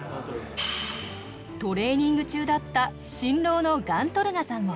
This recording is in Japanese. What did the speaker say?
トレーニング中だった新郎のガントルガさんも。